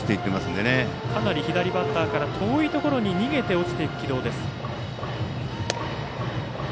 かなり左バッターから遠いところに逃げて落ちていく軌道です。